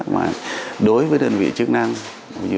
mà đối với đơn vị chức năng